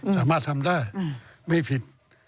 สามารถทำได้ไม่ผิด